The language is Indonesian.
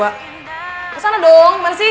kesana dong gimana sih